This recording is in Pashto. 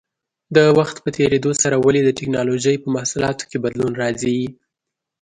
د وخت په تېرېدو سره ولې د ټېکنالوجۍ په محصولاتو کې بدلون راځي؟